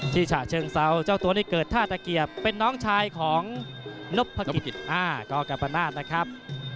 ฉะเชิงเซาเจ้าตัวนี้เกิดท่าตะเกียบเป็นน้องชายของนพกิจอ้ากัมปนาศนะครับ